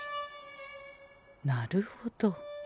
なるほど。